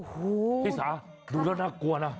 พี่สาดูแล้วน่ากลัวนะ